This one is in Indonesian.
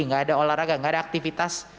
enggak ada olahraga enggak ada aktivitas